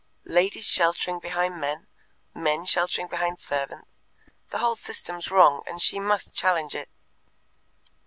Ladies sheltering behind men, men sheltering behind servants the whole system's wrong, and she must challenge it.